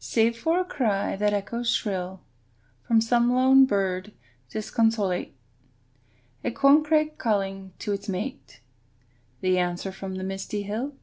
Save for a cry that echoes shrill From some lone bird disconsolate; A corncrake calling to its mate; The answer from the misty hill.